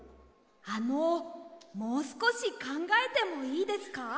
あのもうすこしかんがえてもいいですか？